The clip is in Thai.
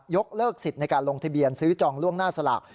กเลิกสิทธิ์ในการลงทะเบียนซื้อจองล่วงหน้าสลาก